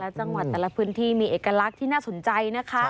จังหวัดแต่ละพื้นที่มีเอกลักษณ์ที่น่าสนใจนะคะ